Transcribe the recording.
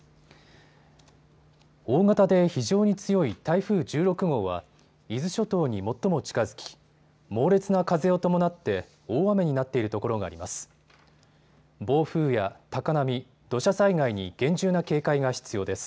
大型で非常に強い台風１６号は伊豆諸島に最も近づき猛烈な風を伴って大雨になっているところがあります。